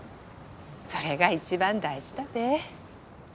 それが一番大事だべ。